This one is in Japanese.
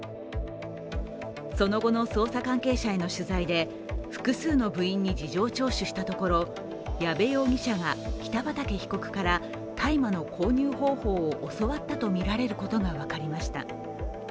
その後の捜査関係者への取材で、複数の部員に事情聴取したところ、矢部容疑者が北畠被告から大麻の購入方法を教わったとみられることが分かりました。